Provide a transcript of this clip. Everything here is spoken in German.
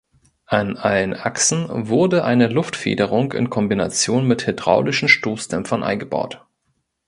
An allen Achsen wurde eine Luftfederung in Kombination mit hydraulischen Stoßdämpfern eingebaut.